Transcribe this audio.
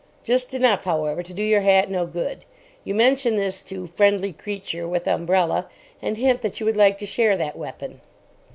Just enough, however, to do your hat no good. You mention this to Friendly Creature with umbrella, and hint that you would like to share that weapon.)